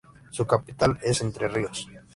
Su capital es Entre Ríos.